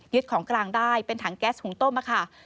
ของกลางได้เป็นถังแก๊สหุงต้มค่ะ